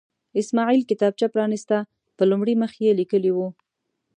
اسماعیل کتابچه پرانسته، په لومړي مخ یې لیکلي وو.